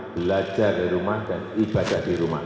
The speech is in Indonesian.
belajar dari rumah dan ibadah di rumah